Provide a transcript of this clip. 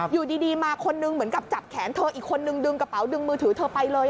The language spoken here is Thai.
อยู่ดีมาคนนึงเหมือนกับจับแขนเธออีกคนนึงดึงกระเป๋าดึงมือถือเธอไปเลย